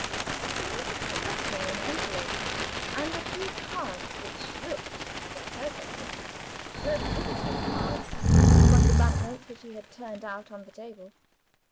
She noticed a letter in an envelope, and a few cards which looked (to her judgment) like visiting cards, among the bank notes which he had turned out on the table.